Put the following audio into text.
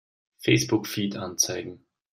Facebook-Feed anzeigen!